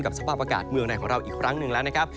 สภาพอากาศเมืองไหนของเราอีกครั้งหนึ่งแล้วนะครับ